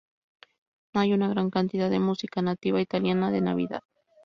No hay una gran cantidad de música nativa italiana de Navidad.